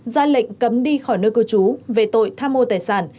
gia lệnh cấm đi khỏi nơi cư trú về tội tham ô tài sản